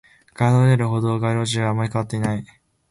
ガードレール、歩道、街路樹、あまり変わっていない